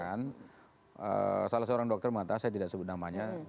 dan salah seorang dokter mengatakan saya tidak sebut namanya